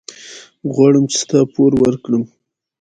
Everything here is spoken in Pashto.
غواړم چې ستا پور ورکړم.